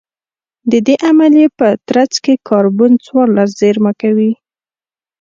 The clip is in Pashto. د دې عملیې په ترڅ کې کاربن څوارلس زېرمه کوي